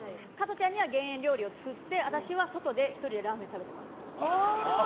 ちゃんには減塩料理を作って私は外で１人でラーメン食べてます。